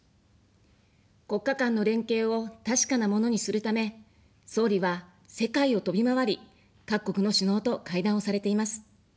国家間の連携を確かなものにするため、総理は世界を飛び回り、各国の首脳と会談をされています。